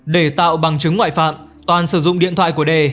để tạo bằng chứng ngoại phạm toàn sử dụng điện thoại của đề